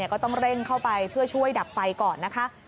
ก็ต้องเร่งเข้าไปเพื่อช่วยดับไฟก่อนนะคะ